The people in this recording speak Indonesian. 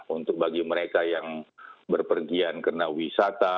untuk bagi mereka yang berpergian kena wisata